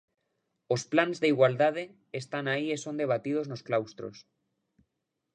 Os plans de igualdade están aí e son debatidos nos claustros.